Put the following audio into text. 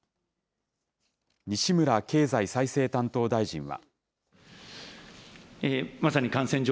西村経済再生担当大臣は。